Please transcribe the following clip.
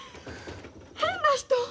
変な人。